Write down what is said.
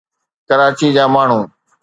ڪراچي جا ماڻهو